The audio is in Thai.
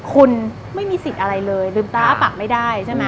คุณไม่มีสิทธิ์อะไรเลยลืมตาอ้าปากไม่ได้ใช่ไหม